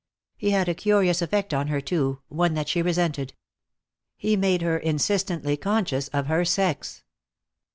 He had a curious effect on her, too, one that she resented. He made her insistently conscious of her sex.